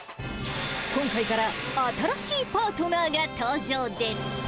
今回から新しいパートナーが登場です。